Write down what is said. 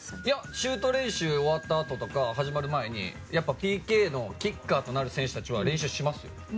シュート練習が終わったあととか、始まる前にＰＫのキッカーとなる選手たちは練習しますよ。